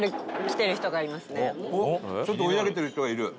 ちょっと追い上げてる人がいる？